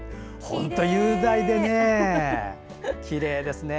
本当、雄大できれいですね。